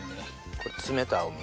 これ冷たいお水。